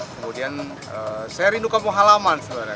kemudian saya rindu kampung halaman sebenarnya